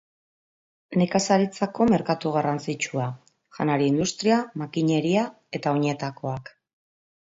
Nekazaritzako merkatu garrantzitsua; janari industria, makineria eta oinetakoak.